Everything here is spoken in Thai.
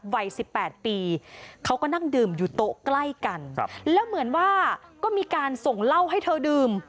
วัยสิบแปดปีเขาก็นั่งดื่มอยู่โต๊ะใกล้กันครับแล้วเหมือนว่าก็มีการส่งเหล้าให้เธอดื่ม